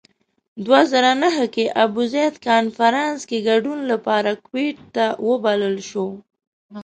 دوه زره نهه کې ابوزید کنفرانس کې ګډون لپاره کویت ته وبلل شو.